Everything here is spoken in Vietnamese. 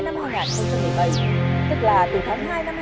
đã thông báo dừng phát hành tem chống giả